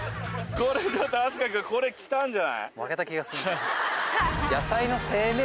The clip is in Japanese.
これちょっと阿須加君これきたんじゃない。